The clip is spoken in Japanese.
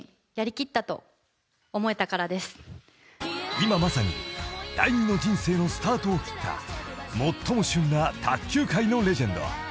［今まさに第二の人生のスタートを切った最も旬な卓球界のレジェンド］